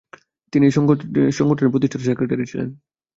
তিনি এই সংগঠনের প্রতিষ্ঠাতা সেক্রেটারি ছিলেন।